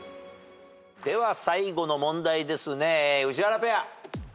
では最後の問題ですね宇治原ペア。